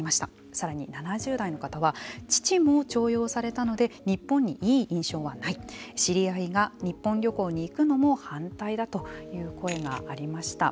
さらに７０代の方は父も徴用されたので日本にいい印象はない知り合いが日本旅行に行くのも反対だという声がありました。